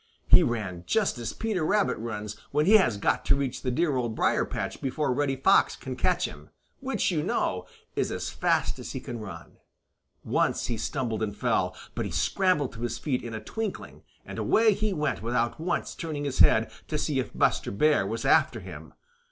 He ran just as Peter Rabbit runs when he has got to reach the dear Old Briar patch before Reddy Fox can catch him, which, you know, is as fast as he can run. Once he stumbled and fell, but he scrambled to his feet in a twinkling, and away he went without once turning his head to see if Buster Bear was after him.